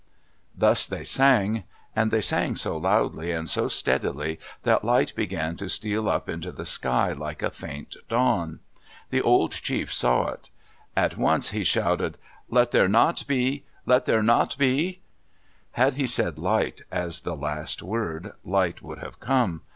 Thus they sang. And they sang so loudly and so steadily that light began to steal up into the sky, like a faint dawn. The old chief saw it. At once he shouted, Let there not be——! Let there not be——! Had he said "light" as the last word, light would have come.